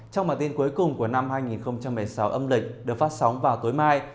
trong bản tin cuối cùng của năm hai nghìn một mươi sáu âm lịch được phát sóng vào tối mai